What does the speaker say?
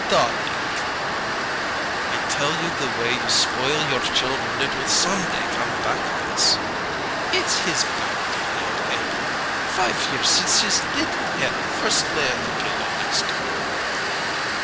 "Darlink " "I tell you the way you spoil your children it will some day come back on us." "It's his birthday night, Abrahm five years since his little head first lay on the pillow next to me."